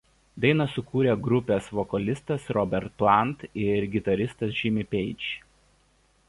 Dainą sukūrė grupės vokalistas Robert Plant ir gitaristas Jimmy Page.